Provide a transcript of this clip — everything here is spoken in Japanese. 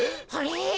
あれ？